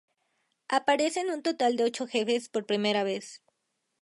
Aparecen un total de ocho jefes por primera vez.